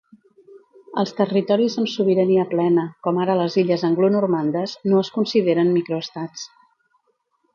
Els territoris amb sobirania plena, com ara les Illes Anglonormandes, no es consideren microestats.